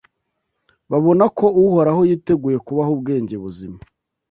Babona ko Uhoraho yiteguye kubaha ubwenge buzima.